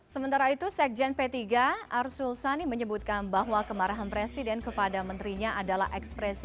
sementara itu sekjen p tiga arsul sani menyebutkan bahwa kemarahan presiden kepada menterinya adalah ekspresi